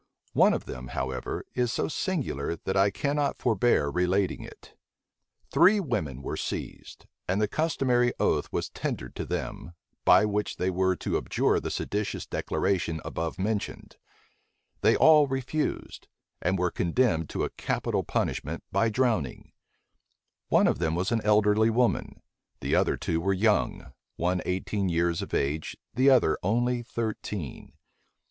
One of them, however, is so singular, that I cannot forbear relating it. Three women were seized;[] and the customary oath was tendered to them, by which they were to abjure the seditious declaration above mentioned. * Wodrow vol. ii. appendix, 94. Wodrow, vol. ii. passim. Wodrow p. 434. Wodrow, p. 505. They all refused, and were condemned to a capital punishment by drowning. One of them was an elderly woman: the other two were young; one eighteen years of age, the other only thirteen.